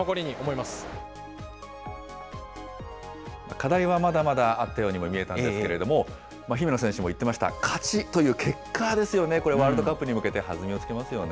課題はまだまだあったようにも見えたんですけども、姫野選手も言ってました、勝ちという結果ですよね、これ、ワールドカップに向けて弾みをつけますよね。